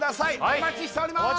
お待ちしております